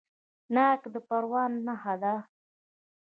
ناک د پروان نښه ده.